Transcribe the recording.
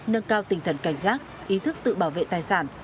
nâng cao tinh thần cảnh giác ý thức tự bảo vệ tài sản